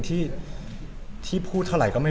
ที่พูดเท่าไรก็ไม่มีความเต็ม